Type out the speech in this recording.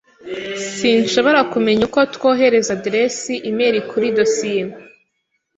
Sinshobora kumenya uko twohereza aderesi imeri kuri dosiye.